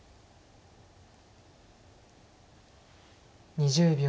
２０秒。